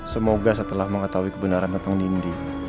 semoga setelah mengetahui kebenaran tentang nindi